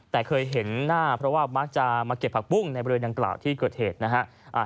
แต่เคยเห็นหน้าเพราะว่ามักจะมาเก็บผักปุ้งในบริเวณดังกล่าวที่เกิดเหตุนะฮะ